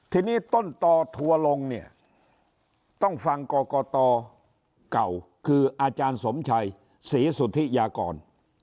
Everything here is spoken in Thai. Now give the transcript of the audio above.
ทีนี้ต้นต่อทัวร์ลงเนี่ยต้องฟังกรกตเก่าคืออาจารย์สมชัยศรีสุธิยากร